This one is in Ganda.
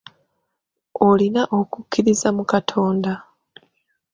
Olina okukkiriza mu Katonda?